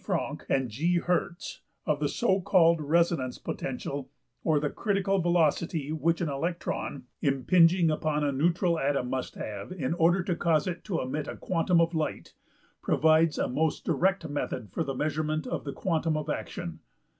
~Franck and G.~Hertz, of the so called resonance potential or the critical velocity which an electron impinging upon a neutral atom must have in order to cause it to emit a quantum of light, provides a most direct method for the measurement of the quantum of action(30).